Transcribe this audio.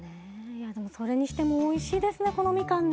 いやでもそれにしてもおいしいですねこのみかんね。